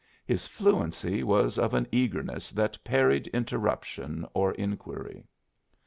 His fluency was of an eagerness that parried interruption or inquiry.